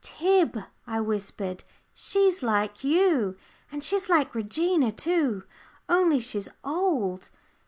"Tib," I whispered, "she's like you, and she's like Regina, too only she's old.